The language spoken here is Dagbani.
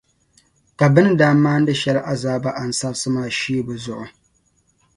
ka bɛ ni daa maandi shɛli azaaba ansarsi maa shee bɛ zuɣu.